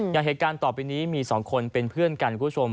อย่างเหตุการณ์ต่อไปนี้มี๒คนเป็นเพื่อนกันคุณผู้ชม